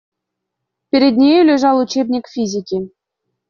Перед нею лежал учебник физики.